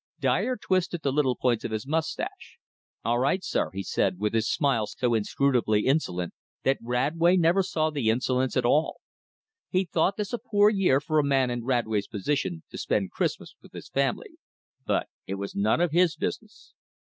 Dyer twisted the little points of his mustache. "All right, sir," said he with his smile so inscrutably insolent that Radway never saw the insolence at all. He thought this a poor year for a man in Radway's position to spend Christmas with his family, but it was none of his business.